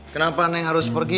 kenapa neng harus pergi